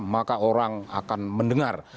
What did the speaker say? maka orang akan mendengar